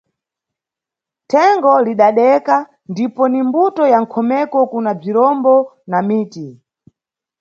Thengo lidadeka ndipo nimbuto ya nʼkhomeko kuna bzirombo na miti.